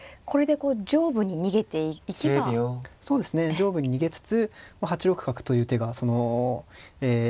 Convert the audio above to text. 上部に逃げつつ８六角という手がえ